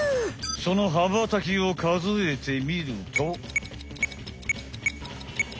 そのはばたきをかぞえてみると。